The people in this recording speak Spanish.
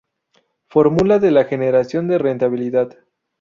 Formula de la generación de rentabilidad.